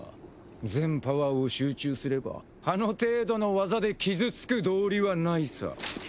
全パワーを集中すればあの程度の技で傷つく道理はないさ。